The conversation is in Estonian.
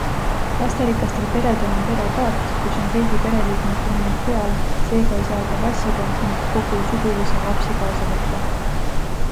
Lasterikastel peredel on perekaart, kus on kõigi pereliikmete nimed peal, seega ei saa ka vassida ning kogu suguvõsa lapsi kaasa võtta.